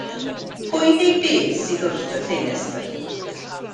Pwy neu beth sydd wrth y ffenestr?